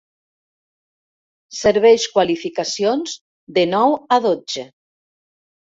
Serveix qualificacions de nou a dotze.